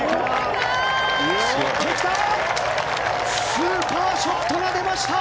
スーパーショットが出ました！